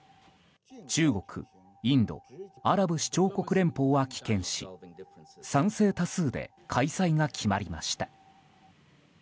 中国、インドアラブ首長国連邦は棄権し賛成多数で開催が決まりました。